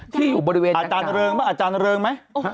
ที่อยู่บริเวณดังกล่าวอาจารย์เริงไหม